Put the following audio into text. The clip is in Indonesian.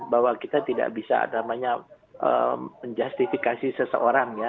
bahwa kita tidak bisa namanya menjustifikasi seseorang ya